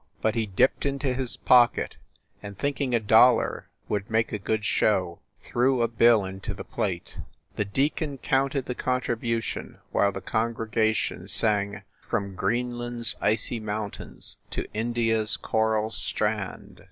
But he dipped into his pocket and, thinking a dollar would make a good show, threw a bill into the plate. The deacon counted the contribution while the congregation sang "From Greenland s icy mountains to India s coral strand!"